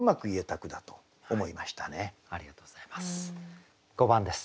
ありがとうございます。